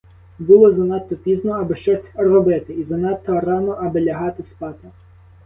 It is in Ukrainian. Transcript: Було занадто пізно, аби щось робити, і занадто рано, аби лягати спати.